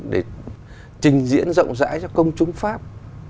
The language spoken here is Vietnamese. để trình diễn rộng rãi cho công chúng pháp